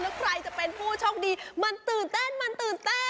แล้วใครจะเป็นผู้โชคดีมันตื่นเต้น